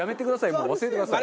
もう忘れてください。